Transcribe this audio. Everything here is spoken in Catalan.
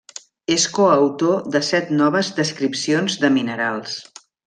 És coautor de set noves descripcions de minerals.